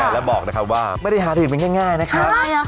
แล้วบอกนะครับว่าไม่ได้หาเหรียญไปง่ายนะครับ